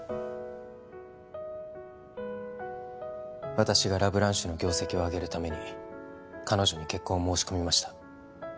私がラ・ブランシュの業績を上げるために彼女に結婚を申し込みました